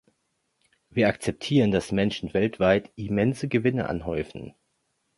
Wir akzeptieren, dass Menschen weltweit immense Gewinne anhäufen.